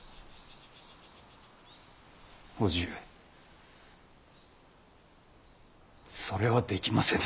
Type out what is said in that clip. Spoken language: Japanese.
伯父上それはできませぬ。